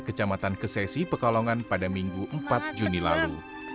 kecamatan kesesi pekalongan pada minggu empat juni lalu